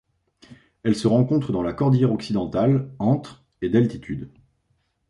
Elle se rencontre dans la cordillère Occidentale, entre et d'altitude.